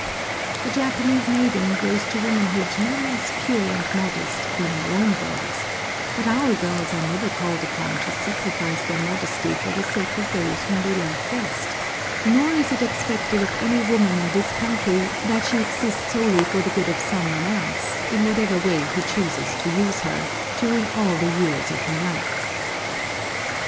The Japanese maiden grows to womanhood no less pure and modest than our own girls, but our girls are never called upon to sacrifice their modesty for the sake of those whom they love best; nor is it expected of any woman in this country that she exist solely for the good of some one else, in whatever way he chooses to use her, during all the years of her life.